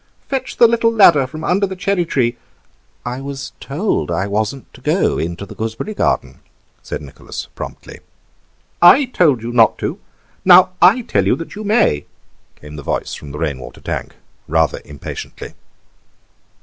Fetch the little ladder from under the cherry tree—" "I was told I wasn't to go into the gooseberry garden," said Nicholas promptly. "I told you not to, and now I tell you that you may," came the voice from the rain water tank, rather impatiently.